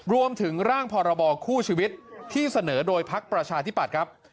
ร่างพรบคู่ชีวิตที่เสนอโดยพักประชาธิปัตย์ครับ